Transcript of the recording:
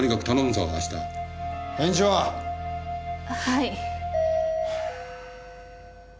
はい。